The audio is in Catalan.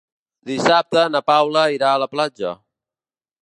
Dissabte na Paula irà a la platja.